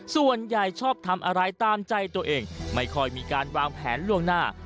ส่วนใหญ่ชอบทำอะไรตามใจตัวเองไม่ค่อยมีการวางแผนล่วงหน้า